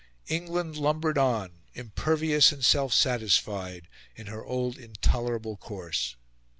England lumbered on, impervious and self satisfied, in her old intolerable course.